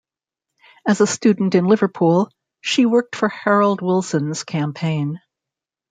As a student in Liverpool, she worked for Harold Wilson's campaign.